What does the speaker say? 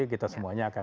kita semuanya akan